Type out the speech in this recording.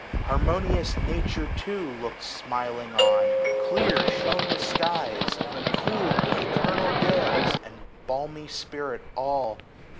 Harmonious Nature too lookM smiling on ; Clear shone the skies, cool'd with eternal gales. And balmy spirit all.